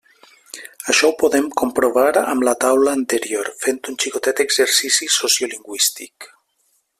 Això ho podem comprovar amb la taula anterior, fent un xicotet exercici sociolingüístic.